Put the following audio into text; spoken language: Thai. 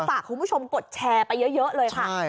ฝากคุณผู้ชมกดแชร์ไปเยอะเลยค่ะ